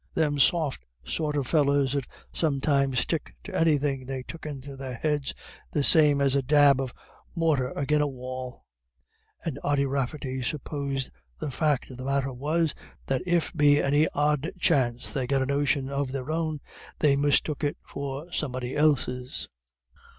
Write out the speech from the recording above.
"Them soft sort of fellers 'ud sometimes stick to anythin' they took into their heads, the same as a dab of morthar agin a wall." And Ody Rafferty supposed the fact of the matter was, "that if be any odd chance they got a notion of their own, they mistook it for somebody else's."